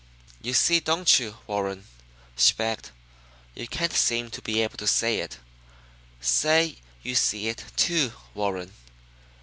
"You see, don't you, Warren?" she begged. "You can't seem to be able say it. Say you see it too, Warren!"